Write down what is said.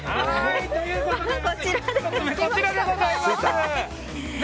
こちらでございます。